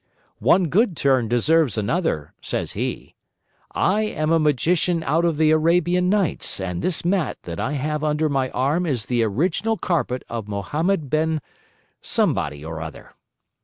"One good turn deserves another," says he. "I am a magician out of the Arabian Nights, and this mat that I have under my arm is the original carpet of Mohammed Ben Somebody or other.